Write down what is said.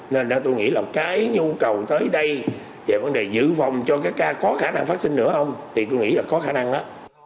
nên tôi nghĩ là cái nhu cầu tới đây về vấn đề giữ vòng cho các ca có khả năng phát sinh nữa ông thì tôi nghĩ là có khả năng đó